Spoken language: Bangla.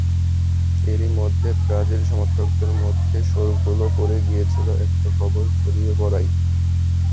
এরই মধ্যে ব্রাজিল সমর্থকদের মধ্যে শোরগোলও পড়ে গিয়েছিল একটা খবর ছড়িয়ে পড়ায়।